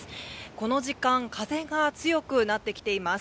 この時間、風が強くなってきています。